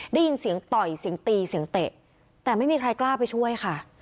ได้ยินเสียงต่อยเสียงตีเสียงเตะแต่ไม่มีใครกล้าไปช่วยค่ะ